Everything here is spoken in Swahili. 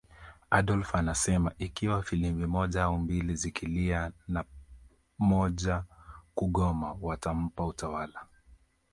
Adolf anasema ikiwa filimbi moja au mbili zikilia na moja kugoma watampa utawala